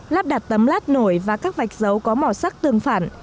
lắp đặt tấm lát nổi và các vạch dấu có màu sắc tương phản